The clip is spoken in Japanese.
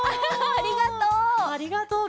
ありがとう。